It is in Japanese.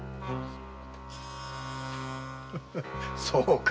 そうか。